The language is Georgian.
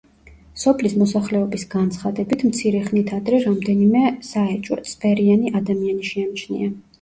სოფლის მოსახლეობის განცხადებით მცირე ხნით ადრე რამდენიმე საეჭვო, წვერიანი ადამიანი შეამჩნია.